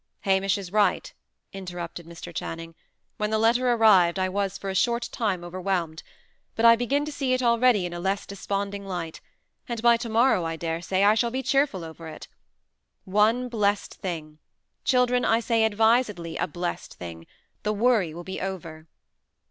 "Hamish is right," interrupted Mr. Channing. "When the letter arrived, I was for a short time overwhelmed. But I begin to see it already in a less desponding light; and by to morrow I dare say I shall be cheerful over it. One blessed thing children, I say advisedly, a 'blessed' thing the worry will be over."